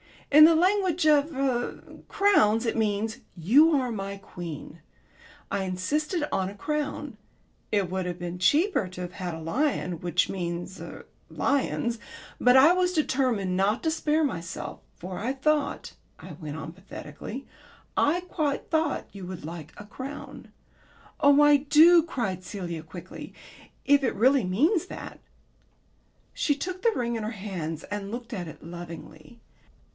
In the language of er crowns it means 'You are my queen.' I insisted on a crown. It would have been cheaper to have had a lion, which means er lions, but I was determined not to spare myself. For I thought," I went on pathetically, "I quite thought you would like a crown." "Oh, I do," cried Celia quickly, "if it really means that." She took the ring in her hands and looked at it lovingly.